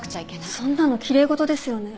そんなの奇麗事ですよね？